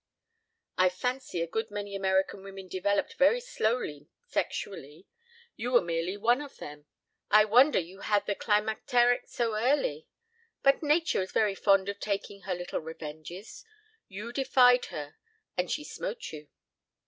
"I fancy a good many American women develop very slowly sexually. You were merely one of them. I wonder you had the climacteric so early. But nature is very fond of taking her little revenges. You defied her and she smote you."